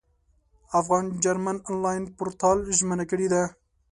افغان جرمن انلاین پورتال ژمنه کړې ده.